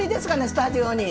スタジオに。